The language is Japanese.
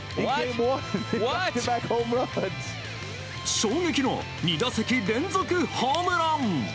衝撃の２打席連続ホームラン！